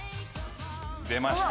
出ました。